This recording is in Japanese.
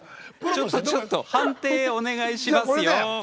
ちょっと判定をお願いしますよ！